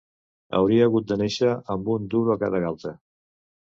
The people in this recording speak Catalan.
Hauria hagut de néixer amb un duro a cada galta